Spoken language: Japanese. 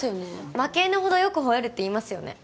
「負け犬ほどよくほえる」って言いますよね